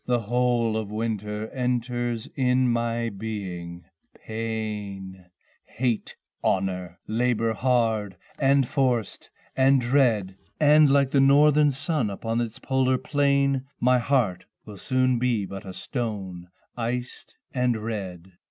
The whole of winter enters in my Being pain, Hate, honor, labour hard and forced and dread, And like the northern sun upon its polar plane My heart will soon be but a stone, iced and red.